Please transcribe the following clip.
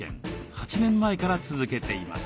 ８年前から続けています。